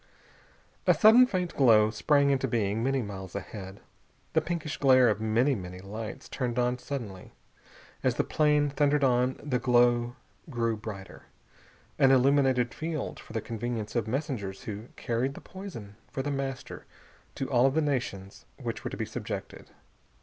A sudden faint glow sprang into being, many miles ahead. The pinkish glare of many, many lights turned on suddenly. As the plane thundered on the glow grew brighter. An illuminated field, for the convenience of messengers who carried the poison for The Master to all the nations which were to be subjected.